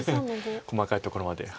細かいところまで。